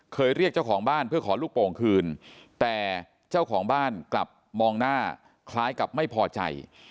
เรียกเจ้าของบ้านเพื่อขอลูกโป่งคืนแต่เจ้าของบ้านกลับมองหน้าคล้ายกับไม่พอใจ